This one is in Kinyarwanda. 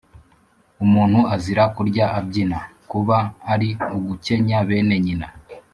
Umuntu azira kurya abyina, Kuba ari ugukenya bene nyina.